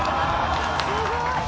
すごーい！